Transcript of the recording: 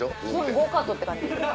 ゴーカートって感じ。